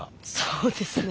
そうですね